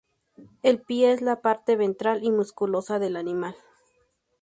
El pie es la parte ventral y musculosa del animal.